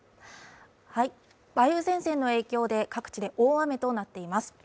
梅雨前線の影響で、各地で大雨となっています。